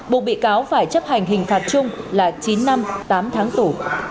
buộc bị cáo phải chấp hành hình phạt chung là chín năm tám tháng tù